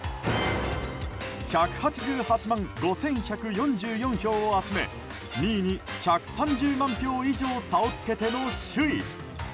１８８万５１４４票を集め２位に１３０万票以上差をつけての首位！